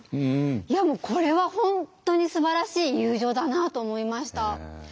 いやこれは本当にすばらしい友情だなと思いました。